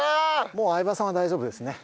もう相葉さんは大丈夫ですね。